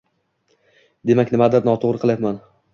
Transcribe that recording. demak, nimanidir noto‘g‘ri qilayapman.